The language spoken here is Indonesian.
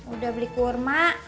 udah beli kurma